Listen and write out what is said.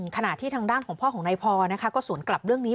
ขณะที่ทางด้านของพ่อของนายพอนะคะก็สวนกลับเรื่องนี้